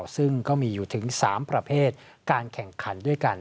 ซึ่งก็มีอยู่ถึง๓ประเภทการแข่งขันด้วยกัน